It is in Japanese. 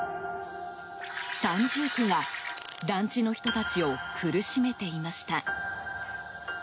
三重苦が団地の人たちを苦しめていました。